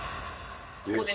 ここです。